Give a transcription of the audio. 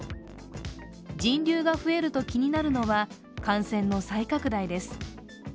人流が増えると気になるのは、感染の再拡大です。